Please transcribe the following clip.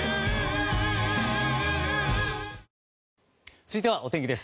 続いてはお天気です。